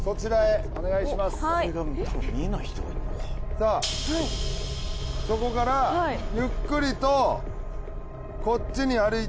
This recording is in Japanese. さあそこからゆっくりとこっちに歩いてきてください。